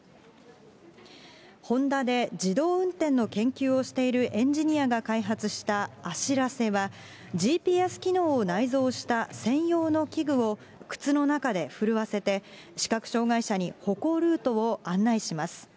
ホンダで自動運転の研究をしているエンジニアが開発したあしらせは、ＧＰＳ機能を内蔵した専用の器具を靴の中で振るわせて、視覚障害者に歩行ルートを案内します。